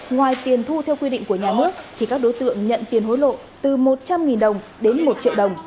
ngoài tiền thu theo quy định của nhà nước thì các đối tượng nhận tiền hối lộ từ một trăm linh đồng đến một triệu đồng